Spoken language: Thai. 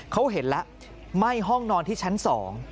เขาเห็นแล้วไหม้ห้องนอนที่ชั้น๒